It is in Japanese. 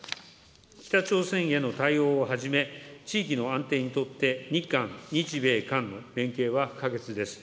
北朝鮮への対応をはじめ、地域の安定にとって日韓、日米韓の連携は不可欠です。